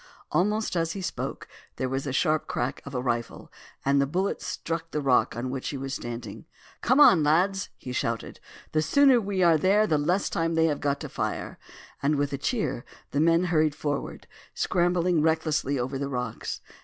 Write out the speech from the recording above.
Almost as he spoke there was a sharp crack of a rifle, and the bullet struck the rock on which he was standing. "Come on, lads!" he shouted, "the sooner we are there the less time they have got to fire;" and with a cheer the men hurried forward, scrambling recklessly over the rocks.